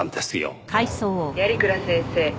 「鑓鞍先生